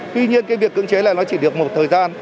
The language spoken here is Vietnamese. tuy nhiên cái việc cưỡng chế là nó chỉ được một thời gian